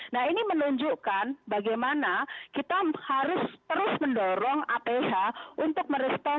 nah ini menunjukkan bagaimana kita harus terus mendorong aph untuk merespon